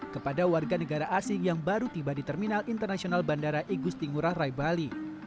kepada warga negara asing yang baru tiba di terminal internasional bandara igusti ngurah rai bali